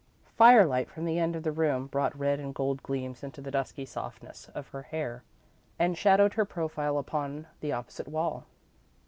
Firelight from the end of the room brought red gold gleams into the dusky softness of her hair and shadowed her profile upon the opposite wall.